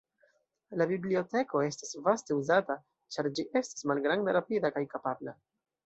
La biblioteko estas vaste uzata, ĉar ĝi estas malgranda, rapida kaj kapabla.